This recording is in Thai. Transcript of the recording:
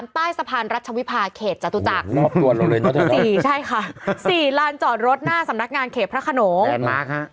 ๓ใต้สะพานรัชวิภาเขตจตุจักร๔ลานจอดรถหน้าสำนักงานเขตพระขนม